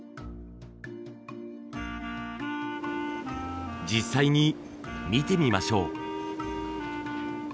実際に見てみましょう。